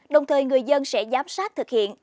đồng thời người dân sẽ giám sát thực hiện